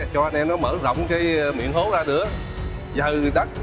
cho anh em nó mở rộng cái miệng hố ra nữa